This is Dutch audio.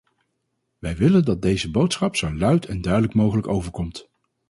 Wij willen dat deze boodschap zo luid en duidelijk mogelijk overkomt.